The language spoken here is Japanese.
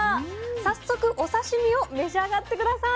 早速お刺身を召し上がって下さい。